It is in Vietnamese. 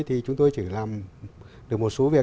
thì chúng tôi chỉ làm được một số việc